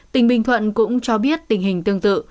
tỉnh bình thuận cũng cho biết tình hình tương tự